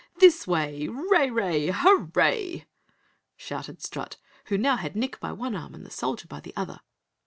"This way! Ray, Ray, hur_ray_!" shouted Strut, who now had Nick by one arm and the Soldier by the other.